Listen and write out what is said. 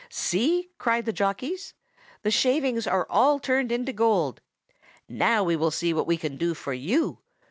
"See!" cried the jockeys. "The shavings are all turned into gold. Now we will see what we can do for you."